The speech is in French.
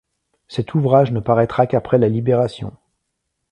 Cet ouvrage ne paraîtra qu'après la Libération.